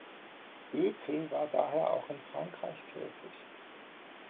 Göpel war daher auch in Frankreich tätig.